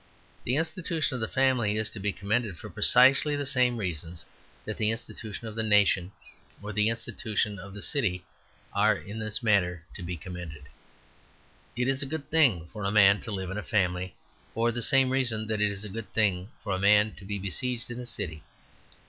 The institution of the family is to be commended for precisely the same reasons that the institution of the nation, or the institution of the city, are in this matter to be commended. It is a good thing for a man to live in a family for the same reason that it is a good thing for a man to be besieged in a city.